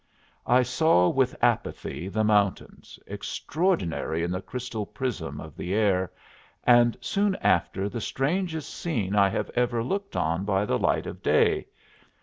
I saw with apathy the mountains, extraordinary in the crystal prism of the air, and soon after the strangest scene I have ever looked on by the light of day.